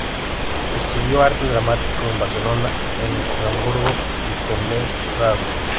Estudió Arte dramático en Barcelona, en Estrasburgo y con Lee Strasberg.